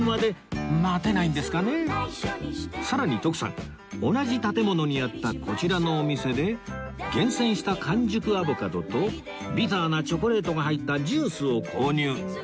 さらに徳さん同じ建物にあったこちらのお店で厳選した完熟アボカドとビターなチョコレートが入ったジュースを購入